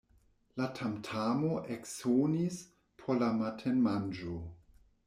La tamtamo eksonis por la matenmanĝo.